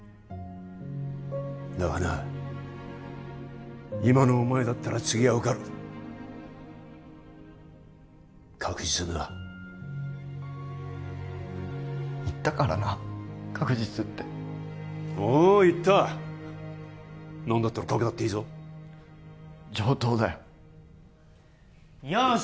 だがな今のお前だったら次は受かる確実にな言ったからな「確実」っておお言った何だったら賭けたっていいぞ上等だよよーし